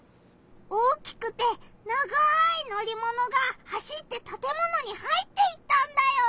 大きくて長い乗りものが走ってたてものに入っていったんだよ！